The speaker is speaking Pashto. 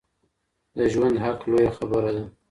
د ژوند حق لویه خبره ده.